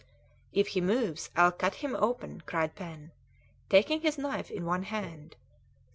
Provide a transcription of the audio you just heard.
"If he moves I'll cut him open," cried Pen, taking his knife in one hand.